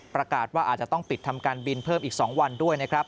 ประกาศว่าอาจจะต้องปิดทำการบินเพิ่มอีก๒วันด้วยนะครับ